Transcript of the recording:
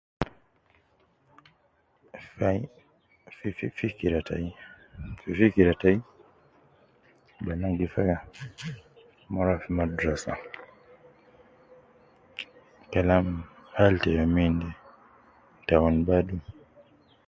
Fai fi fi fikira tai, fi fikira bans gi fa ke mon rua fi madrasa kalam hal te youm inde te awun badu